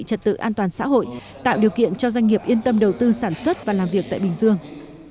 trật tự an toàn xã hội tạo điều kiện cho doanh nghiệp yên tâm đầu tư sản xuất và làm việc tại bình dương